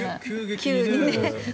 急激にね。